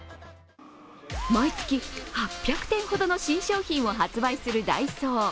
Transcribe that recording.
毎月８００点ほどの新商品を発売するダイソー。